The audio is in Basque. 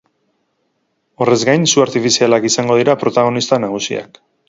Horrez gain, su artifizialak izango dira protagonista nagusiak.